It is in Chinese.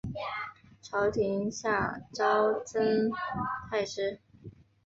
朝廷下诏赠太师。